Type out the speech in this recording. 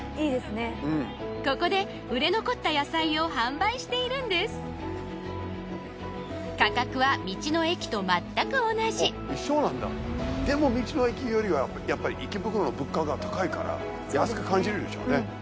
ここで売れ残った野菜を販売しているんですあっ一緒なんだでも道の駅よりはやっぱり池袋の物価が高いから安く感じるでしょうね